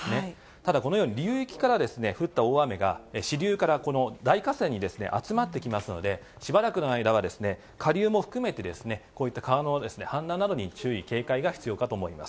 ただこのように、流域から降った大雨が、支流からこの大河川に集まってきますので、しばらくの間は、下流も含めて、こういった川の氾濫などに注意警戒が必要かと思います。